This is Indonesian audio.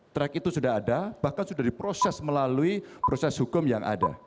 track itu sudah ada bahkan sudah diproses melalui proses hukum yang ada